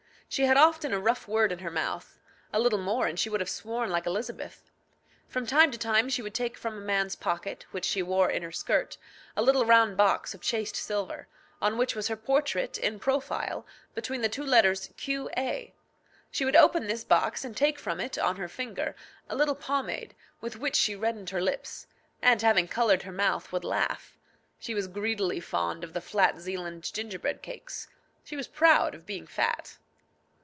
She had often a rough word in her mouth; a little more, and she would have sworn like Elizabeth. From time to time she would take from a man's pocket, which she wore in her skirt, a little round box, of chased silver, on which was her portrait, in profile, between the two letters Q.A.; she would open this box, and take from it, on her finger, a little pomade, with which she reddened her lips, and, having coloured her mouth, would laugh. She was greedily fond of the flat Zealand gingerbread cakes. She was proud of being fat.